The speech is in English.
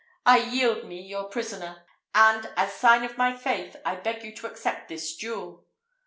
I yield me your prisoner; and, as sign of my faith, I beg you to accept this jewel."